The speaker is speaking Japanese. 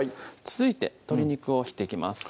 続いて鶏肉を切っていきます